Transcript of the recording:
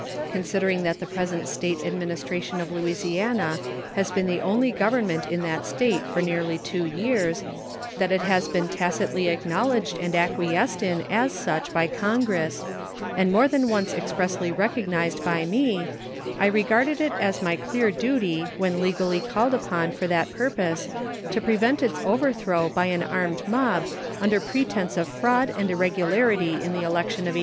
Considering that the present State administration of Louisiana has been the only government in that State for nearly two years; that it has been tacitly acknowledged and acquiesced in as such by Congress, and more than once expressly recognized by me, I regarded it as my clear duty, when legally called upon for that purpose, to prevent its overthrow by an armed mob under pretense of fraud and irregularity in the election of 1872.